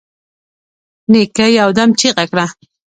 نيکه يودم چيغه کړه.